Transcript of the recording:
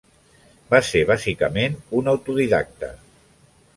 Va ser bàsicament un autodidacte.